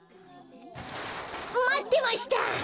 まってました！